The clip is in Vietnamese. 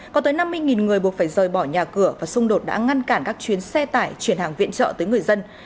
có tới năm mươi người buộc phải rời bỏ nhà cửa và xung đột đã ngăn cản các chuyến xe tải chuyển hàng viện trợ tới người dân